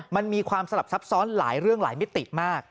มันมีความสลับซับซ้อนหลายเรื่องหลายมิติมาก